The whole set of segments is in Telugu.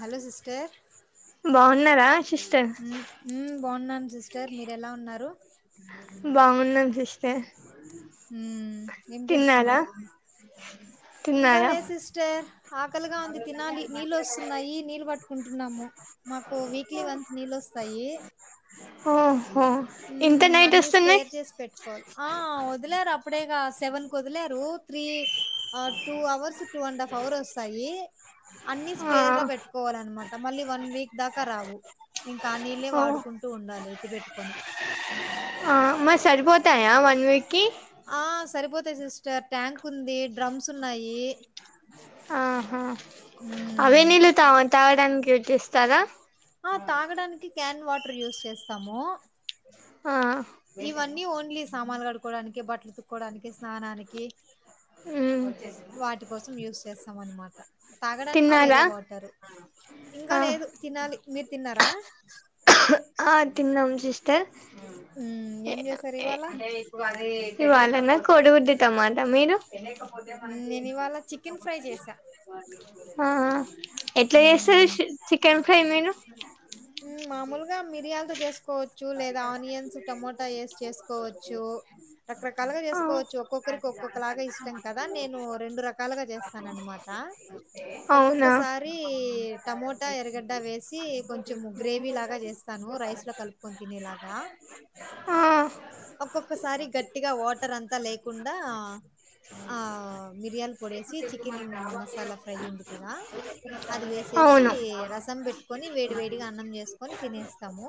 హలో సిస్టర్ బాగున్నారా సిస్టర్ మ్మ్ మ్మ్ బాగున్నాను సిస్టర్ మీరు ఎలా ఉన్నారు బాగున్నాం సిస్టర్ ఊ ఏం తిన్నారా చేస్తున్నారు ఇంకా తిన్నారా లే సిస్టర్ ఆకలిగా ఉంది తినాలి నీళ్ళు వస్తున్నాయి నీళ్ళు పట్టుకుంటున్నాము మాకు వీక్లీ వన్స్ నీళ్ళు వస్తాయి ఓహో ఊ ఇంత నైట్ అన్ని వస్తున్నాయి స్పేర్ చేసి పెట్టుకోవాలి ఆ వదలారు అప్పుడేగా సెవెన్ కు వదిలేరు త్రీ ఆ two hours two and half hour వస్తాయి అన్ని ఆ స్పేర్ గా పెట్టుకోవాలన్నమాట మళ్ళీ వన్ వీక్ దాకా రావు ఇంకా ఆ నీళ్ళే ఓ వాడుకుంటూ ఉండాలి ఎత్తి పెట్టుకొని ఆ మా సరిపోతాయా వన్ వీక్కిి ఆ సరిపోతాయి సిస్టర్ ట్యాంక్ ఉంది డ్రమ్స్ ఉన్నాయి ఆహా అవే హ్మ్. నీళ్లు తవ తాగడానికి తీస్తార ఆ తాగడానికి క్యాన్ వాట్ ట్రి యూస్ చేస్తాము ఆ ఇవన్నీ ఓన్లీ సామాన్లు కడుక్కోవడానికె బట్లు ఎతుకోవడానికి స్నానానికి ఉమ్ వాటి కోసం యూస్ చేస్తాం అనమాట తాగడానికి తిన్నారా వేరే వాటరు ఆ ఇంకా లేదు తినాలి మీరు తిన్నారా? ఆ తిన్నం సిస్టర్ ఉమ్ ఏం చేస్తారు ఇవాళ ఇవాళ కూడ కొడి గుడ్డు టమాట మీది ఉ మ్మ్, నేను ఇవాళ చికెన్ ఫ్రై చేశా. ఆ ఆ ఎట్లా చేస్తారు హ్మ్. సి చికెన్ ఫ్రై మీరు ఉ ఉమ్ మామూలుగా మిరియాలతో చేసుకోవచ్చు లేదా ఆనియన్స్ టమోటా వేసి చేసుకోవచ్చు రకరకాలుగా మీరు చేసుకోవచ్చు ఒక్కొక్కరికి ఒక్కొక్కలాగా ఇష్టం కదా నేను రెండు రకాలగా చేస్తాన అనమాట అవునా ఒక్కొక్కసారి టమోటా ఎరగడ్డ వేసి కొంచం చమ గ్రేవీ లాగా చేస్తాను రైసులోకలుపుకొని తినేలాగా ఆ ఒక్కొక్క సారి గట్టిగ వాటర్ అంత లేకుండా ఆ ఆ మిరియాలపొడి యేసి చికెన్ మసాలాఫ్రై ఉంది కదా అది వేసేసి అవును రసం పెట్టుకొని వేడి వేడి ఇగ అన్నం చేస్తా తినేస్తాము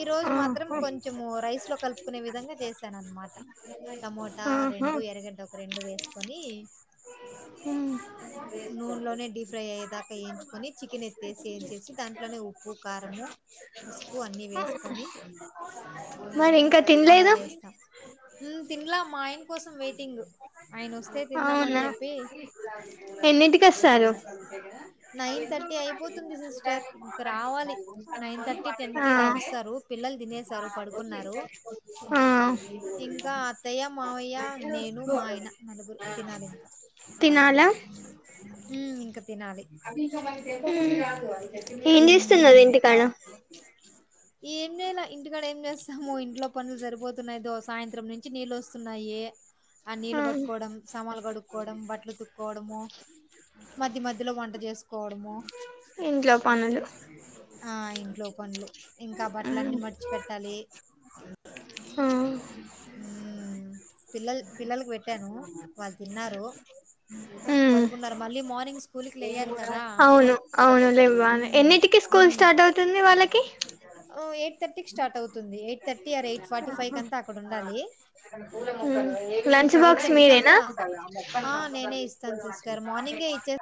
ఈ రోజు మాత్రం ఆహా కొంచెము రైస్ లో కలుపుకునే విధంగా చేసాను అన్నమాట టమోటా ఆహా రెండు ఎరగడ్డ ఒక రెండు వేసుకొని ఉమ్. నూనెలోనే డీప్ ఫ్రై అయ్యేదాకా వేయించుకొని చికెన్ ఎత్తేసి వెన్చేసి దాంట్లోనే ఉప్పు ఉప్పు కారము పసుపు అన్ని వేసుకొని మరి ఇంకా అలా తినలేదు చేస్తాం తిన్లా మా ఆయన కోసం వెయిటింగ్ ఆయన వస్తే తిందాము అని అవునా చెప్పి ఎన్నిటికీ వస్తారు నైన్ థర్టీ అయిపోతుంది సిస్టర్ [inaudible] రావాలి. ఆ ఇలా వస్తారు. పిల్లలు తినేసారు, పడుకున్నారు. ఆ ఇంకా అత్తయ్య, మావయ్య, నేను, మా ఆయన నలుగురు తినాలింకా. తినాల హ్మ్. ఇంక తినాలి. అవి ఇంకా పనికి హు. ఏం చేస్తున్నది హ్మ్. ఇంటిక ఏం చేయాల ఇంటికాడ ఏం చేస్తాము ఇంట్లో పనులు జారిపో సరిపోతున్నాదో సాయంత్రం నుంచి నీళ్లు వస్తున్నాయి. ఆ నీళ్ళు పట్టుకోవడం సమానులు కడుక్కోవడం బట్టలు ఉతుక్కోవడము మధ్య మధ్యలో వంట చేసుకోవడము. ఇంట్లో పనులు ఆ ఇంట్లో పనులు ఇంకా బట్టల ఉమ్, అన్ని మడిచి పెట్టాలి ఆ పిల్లలు పిల్లలకు పెట్టాను వాళ్ళు తిన్నారు ఉమ్ పడుకున్నారు. మళ్ళీ మార్నింగ్ స్కూల్ కి లేయ్యాలి. అవును అవును లేవ్వలి. ఎన్నిటికి స్కూల్ స్టార్ట్ అవుతుంది. వాళ్ళకి ఓ ఎయిట్ థర్టీ స్టార్ట్ అవుతుంది. Eight thirty or eight forty five అంత అక్కడ ఉండాలి. లంచ్ ఎయిట్ బాక్స్ థర్టీ కి మీరేనా అంటే నేనే ఇస్తాను. సిస్టర్ మార్నింగే ఇచ్చే